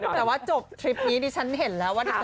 แต่ว่าจบทริปนี้เห็นแล้วว่าทำไม